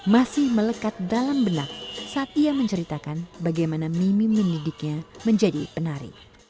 masih melekat dalam benak saat ia menceritakan bagaimana mimi mendidiknya menjadi penari